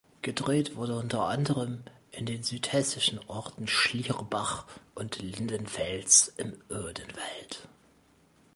Gedreht wurde unter anderem in den südhessischen Orten Schlierbach und Lindenfels im Odenwald.